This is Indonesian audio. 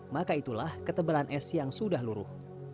maka itulah ketebalan es yang sudah luruh